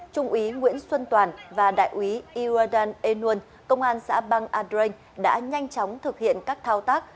trung úy nguyễn xuân toàn và đại úy irodan enun công an xã bang adreng đã nhanh chóng thực hiện các thao tác